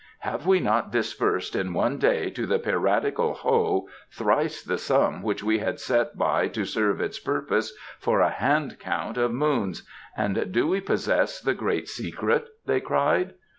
"Have we not disbursed in one day to the piratical Ho thrice the sum which we had set by to serve its purpose for a hand count of moons; and do we possess the Great Secret?" they cried.